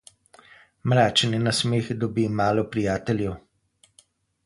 Mračni nasmeh dobi malo prijateljev.